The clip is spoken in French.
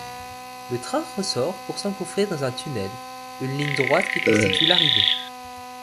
Le train ressort pour s'engouffrer dans un tunnel, une ligne droite qui constitue l'arrivée.